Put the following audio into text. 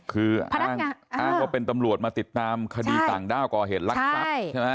คืออ้างว่าเป็นตำรวจมาติดตามคดีต่างด้าวก่อเหตุลักษัพใช่ไหม